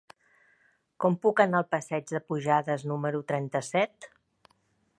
Com puc anar al passeig de Pujades número trenta-set?